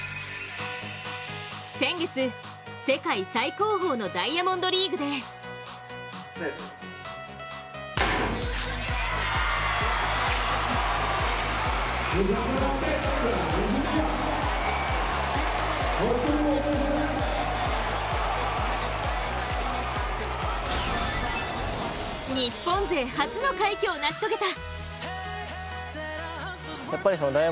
先月、世界最高峰のダイヤモンドリーグで日本勢初の快挙をなし遂げた。